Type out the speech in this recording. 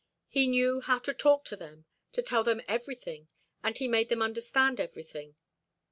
He knew how to talk to them, to tell them everything, and he made them understand everything.